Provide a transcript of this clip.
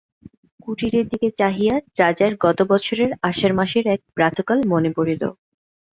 কুটিরের দিকে চাহিয়া রাজার গত বৎসরের আষাঢ় মাসের এক প্রাতঃকাল মনে পড়িল।